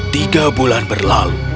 tiga bulan berlalu